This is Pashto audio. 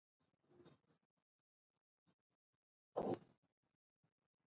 شفافیت د ادارې کیفیت لوړوي.